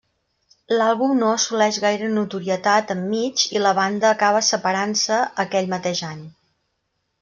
L'àlbum no assoleix gaire notorietat enmig i la banda acaba separant-se aquell mateix any.